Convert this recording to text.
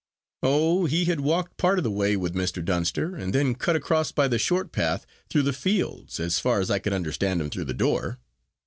"Oh! he had walked part of the way with Mr. Dunster, and then cut across by the short path through the fields, as far as I could understand him through the door.